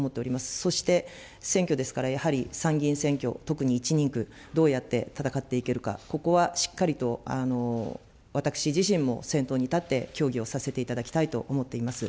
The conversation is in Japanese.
そして選挙ですから、やはり参議院選挙、特に１人区、どうやって戦っていけるか、ここはしっかりと私自身も先頭に立って協議をさせていただきたいと思っています。